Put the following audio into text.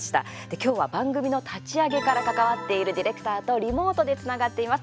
今日は番組の立ち上げから関わっているディレクターとリモートでつながっています。